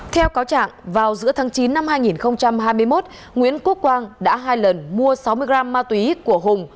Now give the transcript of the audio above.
theo cáo trạng vào giữa tháng chín năm hai nghìn hai mươi một nguyễn quốc quang đã hai lần mua sáu mươi gram ma túy của hùng